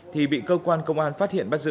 thì bị cơ quan công an phát hiện bắt giữ